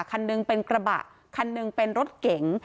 คันหนึ่งเป็นกระบะคันหนึ่งเป็นรถเก๋ง